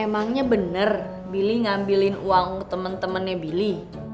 emangnya bener billy ngambilin uang temen temennya billy